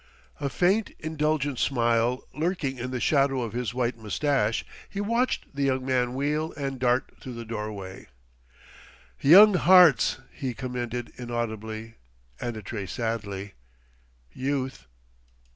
A faint, indulgent smile lurking in the shadow of his white mustache, he watched the young man wheel and dart through the doorway. "Young hearts!" he commented inaudibly and a trace sadly. "Youth!..."